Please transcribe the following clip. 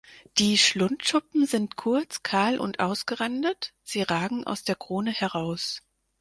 Die Schlundschuppen sind kurz, kahl und ausgerandet, sie ragen aus der Krone heraus.